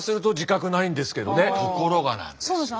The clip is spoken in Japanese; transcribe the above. ところがなんですよ。